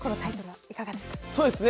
そうですね。